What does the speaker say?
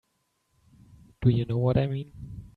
Do you know what I mean?